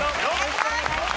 お願いします！